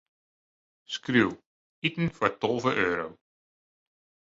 Skriuw: iten foar tolve euro.